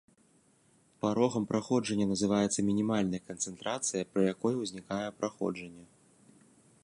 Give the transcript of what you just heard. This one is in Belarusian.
Парогам праходжання называецца мінімальная канцэнтрацыя, пры якой узнікае праходжанне.